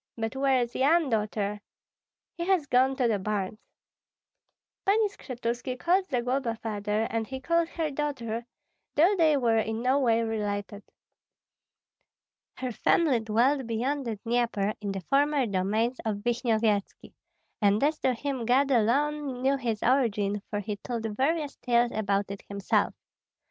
But where is Yan, Daughter?" "He has gone to the barns." Pani Skshetuski called Zagloba father, and he called her daughter, though they were in no way related. Her family dwelt beyond the Dnieper, in the former domains of Vishnyevetski; and as to him God alone knew his origin, for he told various tales about it himself.